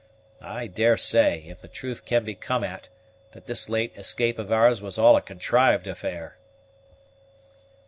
I daresay, if the truth could be come at, that this late escape of ours was all a contrived affair."